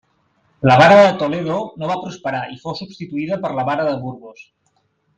La vara de Toledo no va prosperar i fou substituïda per la vara de Burgos.